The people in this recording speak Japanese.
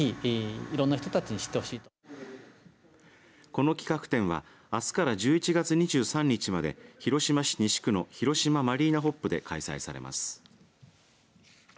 この企画展はあすから１１月２３日まで広島市西区の広島マリーナホップで開催されます。